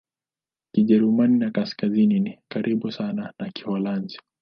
Kijerumani ya Kaskazini ni karibu sana na Kiholanzi.